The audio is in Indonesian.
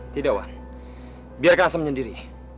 tidak wah biarkan asam sendiri